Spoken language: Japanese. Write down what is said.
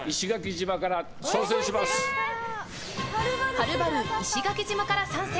はるばる石垣島から参戦！